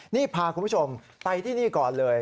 นี่พาคุณผู้ชมไปที่นี่ก่อนเลย